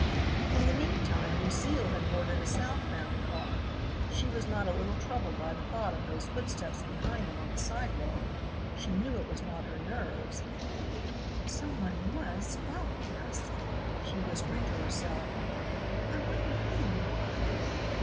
In the meantime Lucile had boarded a south bound car. She was not a little troubled by the thought of those footsteps behind them on the sidewalk. She knew it was not her nerves. "Someone was following us!" she whispered to herself. "I wonder who and why."